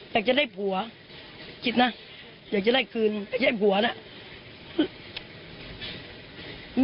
อยากจะได้ผัวกิ๊ดนะอยากจะได้คืนอยากจะได้ผัวเนี่ย